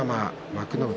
幕内